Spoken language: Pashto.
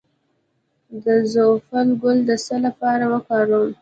د زوفا ګل د څه لپاره وکاروم؟